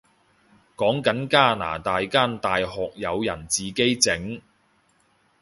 講緊加拿大間大學有人自己整